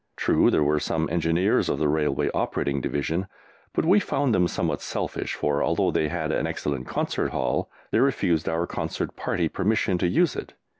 True, there were some Engineers of the Railway Operating Division, but we found them somewhat selfish, for although they had an excellent Concert Hall they refused our Concert Party permission to use it.